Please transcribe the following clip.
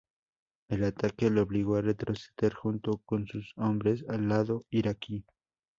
El ataque le obligó a retroceder junto con sus hombres al lado iraquí.